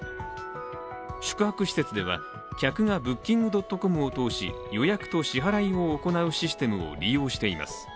宿泊施設では客がＢｏｏｋｉｎｇ．ｃｏｍを通し予約と支払いを行うシステムを利用しています